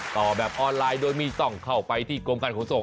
ตอบแบบออนไลน์โดยมีส่องเข้าไปทิศกรมการโครงโสข